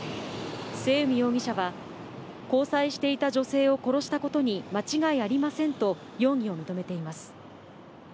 末海容疑者は、交際していた女性を殺したことに間違いありませんと、容疑を認めています。